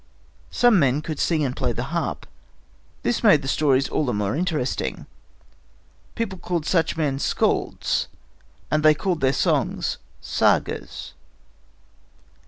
Some men could sing and play the harp. This made the stories all the more interesting. People called such men "skalds," and they called their songs "sagas."